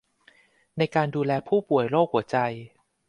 ในการดูแลผู้ป่วยโรคหัวใจ